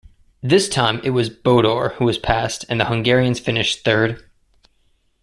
This time it was Bodor who was passed, and the Hungarians finished third.